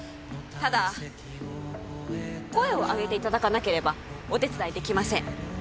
ただ声を上げていただかなければお手伝いできません